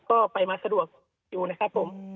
ก็ไปมาสะดวกอยู่นะครับผม